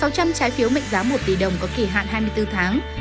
sáu trăm linh trái phiếu mệnh giá một tỷ đồng có kỳ hạn hai mươi bốn tháng